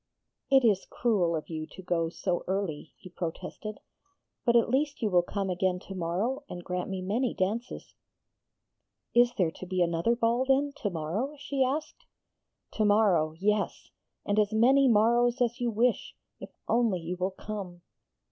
'It is cruel of you to go so early,' he protested. 'But at least you will come again to morrow and grant me many dances?' 'Is there to be another ball, then, to morrow?' she asked. 'To morrow, yes; and as many morrows as you wish, if only you will come.'